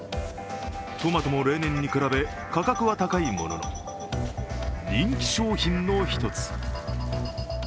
トマトも例年に比べ価格は高いものの、人気商品の一つ。